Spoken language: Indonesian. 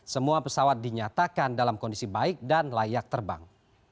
semua pesawat dinyatakan dalam kondisi baik dan layak terbang